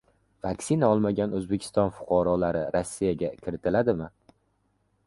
Vaksina olmagan O‘zbekiston fuqarolari Rossiyaga kiritiladimi?